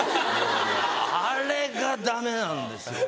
あれがダメなんですよね。